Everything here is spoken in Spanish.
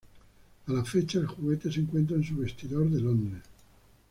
A la fecha, el juguete se encuentra en su vestidor en Londres.